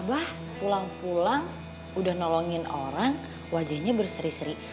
abah pulang pulang udah nolongin orang wajahnya berseri seri